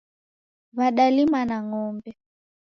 W'adalima na ngombe